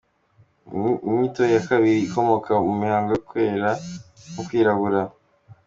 Inyito ya kabiri ikomoka mu mihango yo kwera no kwirabura.